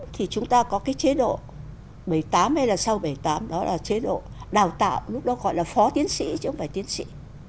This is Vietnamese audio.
một nghìn chín trăm bảy mươi tám thì chúng ta có cái chế độ một nghìn chín trăm bảy mươi tám hay là sau một nghìn chín trăm bảy mươi tám đó là chế độ đào tạo lúc đó gọi là phó tiến sĩ chứ không phải tiến sĩ